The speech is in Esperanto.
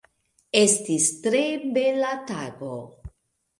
Estis tre bela tago.